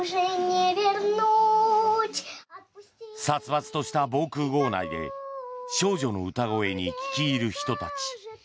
殺伐とした防空壕内で少女の歌声に聞き入る人たち。